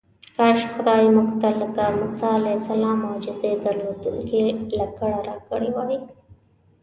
کاش خدای موږ ته لکه موسی علیه السلام معجزې درلودونکې لکړه راکړې وای.